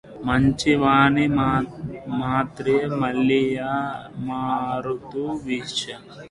మంచి వాని మైత్రి మలయమారుత వీచి